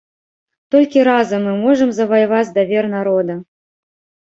Толькі разам мы можам заваяваць давер народа.